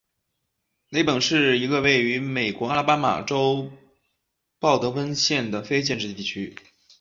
雷本是一个位于美国阿拉巴马州鲍德温县的非建制地区。